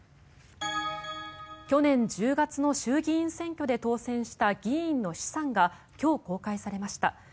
去年１０月の衆議院選挙で当選した議員の資産が今日、公開されました。